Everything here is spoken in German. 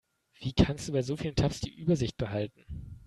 Wie kannst du bei so vielen Tabs die Übersicht behalten?